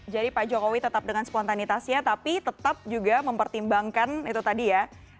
jadi pak jokowi tetap dengan spontanitasnya tapi tetap juga mempertimbangkan itu tadi ya